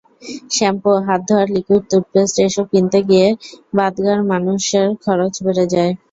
Shampoo, হাত ধোয়ার liquid, টুথপেস্ট—এসব কিনতে গিয়ে বাঁধগাঁর মানুষের খরচ বেড়ে যায়।